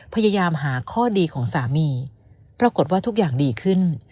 พยายามหาข้อดีของสามีปรากฏว่าทุกอย่างดีขึ้น